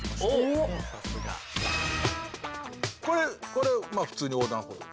これまあ普通に横断歩道。